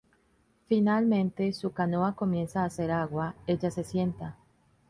Finalmente, su canoa comienza a hacer agua, ella se sienta.